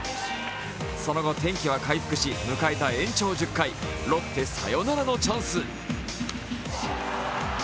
その後、天気は回復し迎えた延長１０回、ロッテ、サヨナラのチャンス。